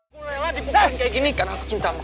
gue rela dipukul kayak gini karena aku cinta sama kamu